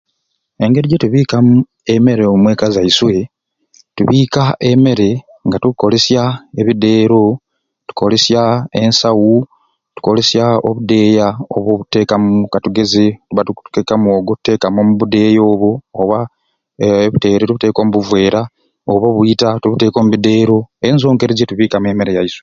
Engeri gyetubikamu emere omweka zeiswe tubiika emmere nga tukukolesya ebideero tukukolesya ensawu tukolesya obudeeya nkobo bwetutekamu katugeze netuba tukukeka mwogo tutekamu omu budeeya obo oba ebitere tubiteeka omu buveera oba obwita tubuteeka omu bideero ezo nizo ngeri zetubikamu emmere yaiswe